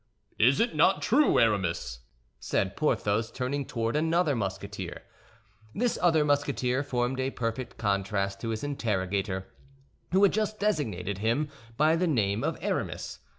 "Is it not true, Aramis?" said Porthos, turning toward another Musketeer. This other Musketeer formed a perfect contrast to his interrogator, who had just designated him by the name of Aramis.